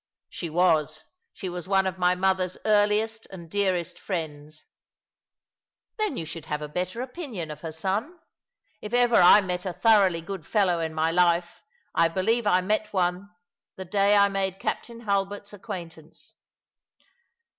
"She was. She was one of my mother's earliest and dearest friends." " Then you should have a better opinion of her son. If ever I met a thoroughly good fellow in my life, I believe I met one the day I made Captain Hulbert's acquaintance."